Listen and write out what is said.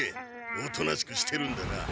おとなしくしてるんだな。